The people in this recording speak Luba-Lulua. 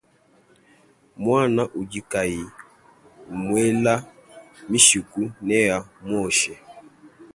Muana udi kayi umuela mishiku neamuoshe.